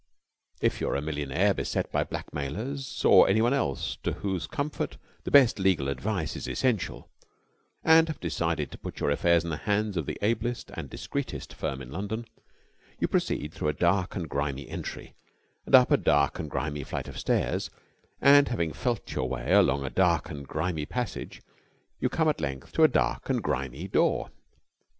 If you are a millionaire beset by blackmailers or anyone else to whose comfort the best legal advice is essential, and have decided to put your affairs in the hands of the ablest and discreetest firm in London, you proceed through a dark and grimy entry and up a dark and grimy flight of stairs; and, having felt your way along a dark and grimy passage, you come at length to a dark and grimy door.